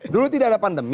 dulu tidak ada pandemi